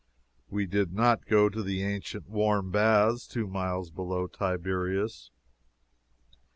We did not go to the ancient warm baths two miles below Tiberias.